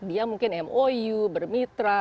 dia mungkin mou bermitra